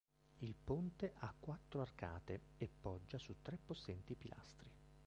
Il ponte ha quattro arcate e poggia su tre possenti pilastri.